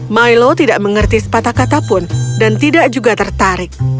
milo tidak mengerti sepatah kata pun dan tidak juga tertarik